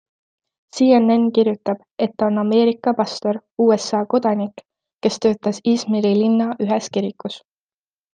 CNN kirjutab, et ta on Ameerika pastor, USA kodanik, kes töötas Izmiri linna ühes kirikus.